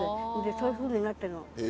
そういうふうになってるの。